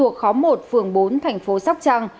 khó một phường bốn thành phố sóc trăng